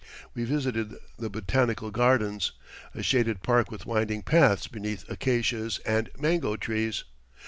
We visited the botanical gardens, a shaded park with winding paths beneath acacias and mango trees.